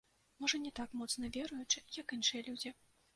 Можа, не так моцна веруючы, як іншыя людзі.